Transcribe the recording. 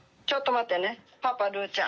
ちょっと待ってねパパるーちゃん。